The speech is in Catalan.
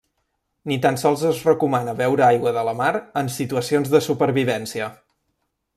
Ni tan sols es recomana beure aigua de la mar en situacions de supervivència.